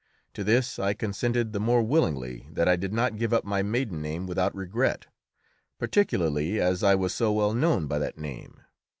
To this I consented the more willingly that I did not give up my maiden name without regret, particularly as I was so well known by that name.